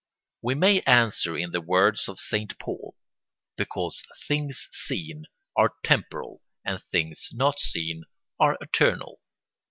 ] We may answer in the words of Saint Paul: because things seen are temporal and things not seen are eternal.